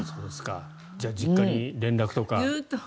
じゃあ実家に連絡とか。